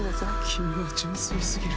君は純粋すぎる。